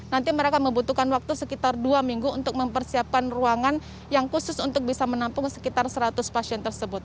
nanti mereka membutuhkan waktu sekitar dua minggu untuk mempersiapkan ruangan yang khusus untuk bisa menampung sekitar seratus pasien tersebut